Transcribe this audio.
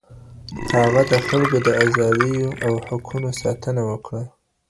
هغه د خلکو د آزادیو او حقونو ساتنه وکړه.